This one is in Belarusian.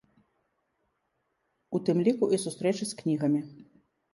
У тым ліку і сустрэчы з кнігамі.